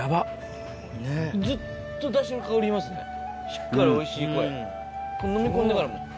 しっかりおいしいこれ飲み込んでからも。